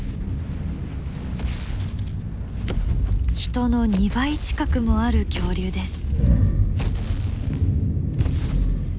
人の２倍近くもある恐竜です。